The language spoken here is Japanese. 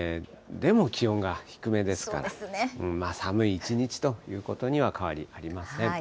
でも気温が低めですから、寒い一日ということには変わりありません。